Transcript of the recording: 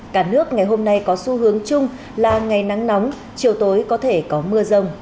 cả nước ngày hôm nay có xu hướng chung là ngày nắng nóng chiều tối có thể có mưa rông